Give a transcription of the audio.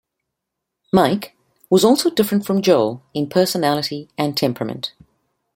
Mike was also different from Joel in personality and temperament.